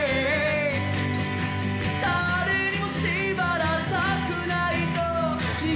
「誰にも縛られたくないと」